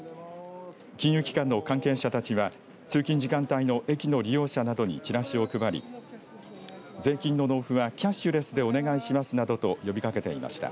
金融機関の関係者たちは通勤時間帯の駅の利用者などにチラシを配り税金の納付はキャッシュレスでお願いしますなどと呼びかけていました。